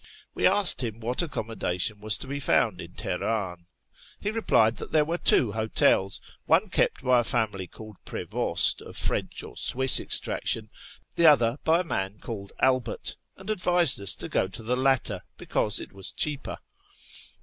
We asked him what accommodation was to be found in Teheran. He replied that there were two hotels, one kept by a family called Prevost, of Prench or Swiss extraction, the other by a man called Albert, and advised us to go to the latter, because it was cheaper.